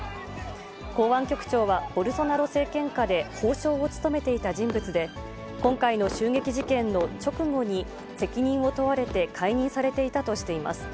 公安局長はボルソナロ政権下で法相を務めていた人物で、今回の襲撃事件の直後に責任を問われて解任されていたとしています。